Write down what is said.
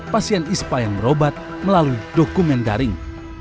pasien ispa yang berobat melalui dokumen daring